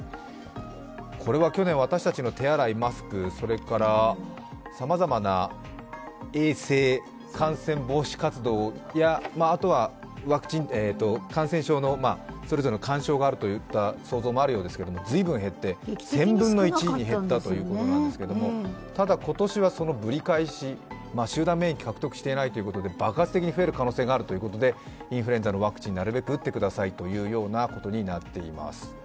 これは去年、私たちの手洗い、マスク、それからさまざまな衛生・感染防止活動やあとは感染症のそれぞれの干渉があるといった想像もあるようですがずいぶん減って、１０００分の１に減ったということなんですがただ今年はそのぶり返し、集団免疫獲得していないということで爆発的に増える可能性があるということでインフルエンザのワクチン、なるべく打ってくださいということになっています。